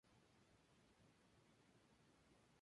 La selección de presas varía dependiendo de las especies.